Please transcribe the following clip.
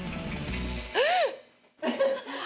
えっ。